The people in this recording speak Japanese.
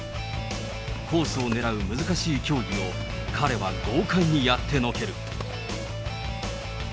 コースを狙う難しい競技も彼は豪快にやってのける。